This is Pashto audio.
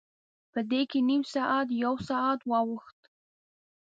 په دې کې نیم ساعت، یو ساعت واوښت.